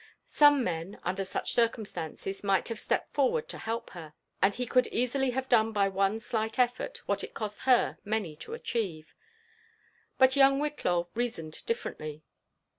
8ome men, under such circum stances, might have stepped forward to help her, and he could easily have done by one slight effort what it cost her many to achieve ; but young Whitlaw reasoned differently.